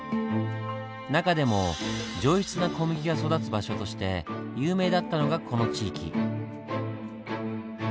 中でも上質な小麦が育つ場所として有名だったのがこの地域。